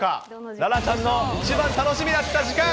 楽々ちゃんの一番楽しみだった時間。